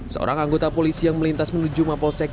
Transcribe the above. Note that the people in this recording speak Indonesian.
seorang anggota polisi yang melintas menuju mapolsek